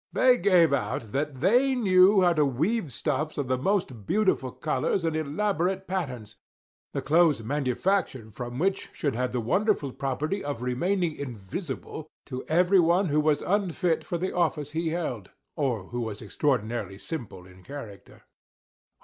They gave out that they knew how to weave stuffs of the most beautiful colors and elaborate patterns, the clothes manufactured from which should have the wonderful property of remaining invisible to everyone who was unfit for the office he held, or who was extraordinarily simple in character.